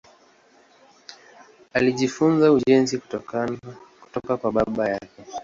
Alijifunza ujenzi kutoka kwa baba yake.